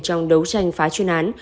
trong đấu tranh phá chuyên án